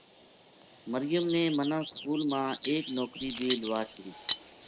مریم نے مَنا سکول ما ایک نوکری بے لوا چھُڑی